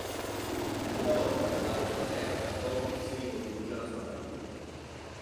Una volta tornato sulla Terra, Goku si ricongiunge alla sua famiglia.